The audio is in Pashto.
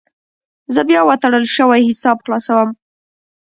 زه بیا وتړل شوی حساب خلاصوم.